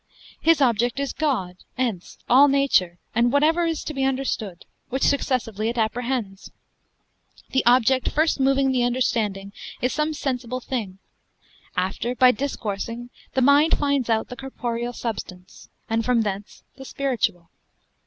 His object is God, ens, all nature, and whatsoever is to be understood: which successively it apprehends. The object first moving the understanding, is some sensible thing; after by discoursing, the mind finds out the corporeal substance, and from thence the spiritual.